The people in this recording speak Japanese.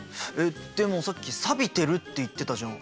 でもさっき「さびてる」って言ってたじゃん。